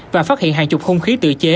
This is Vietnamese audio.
và phát hiện hàng chục hung khí tự chế